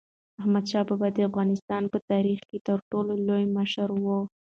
احمدشاه بابا د افغانستان په تاریخ کې تر ټولو لوی مشر و.